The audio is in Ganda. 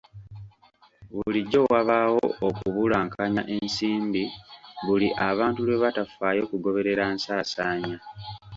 Bulijjo wabaawo okubulankanya ensimbi buli abantu lwe batafaayo kugoberera nsaasaanya.